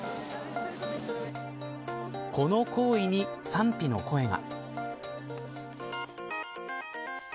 この行為に賛否の声が。